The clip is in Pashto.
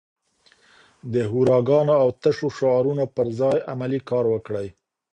د هوراګانو او تشو شعارونو پر ځای عملي کار وکړئ.